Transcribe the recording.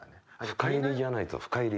深煎りじゃないと深煎り！